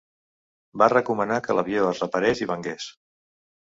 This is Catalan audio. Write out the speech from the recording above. Va recomanar que l'avió es reparés i vengués.